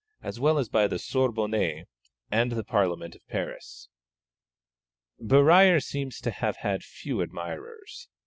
as well as by the Sorbonne and the Parliament of Paris. Berruyer seems to have had few admirers.